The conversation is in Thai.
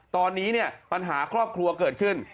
ตอนนี้เนี่ยปัญหาครอบครัวเกิดขึ้น